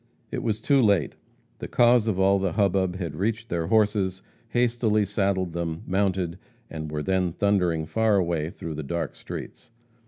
It was too late. The cause of all the hubbub had reached their horses, hastily saddled them, mounted, and were then thundering far away through the dark streets.